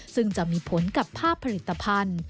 ซึ่งจะมีผลกับภาพผลิตภัณฑ์